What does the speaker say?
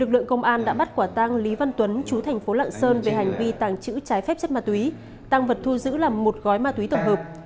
lực lượng công an đã bắt quả tăng lý văn tuấn chú thành phố lạng sơn về hành vi tàng trữ trái phép trước mặt túy tăng vật thu giữ là một gói mặt túy tổng hợp